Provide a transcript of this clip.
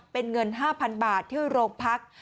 เป็นเงิน๕๐๐๐บาทที่โรงพัก